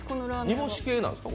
煮干し系なんですか？